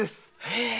へえ！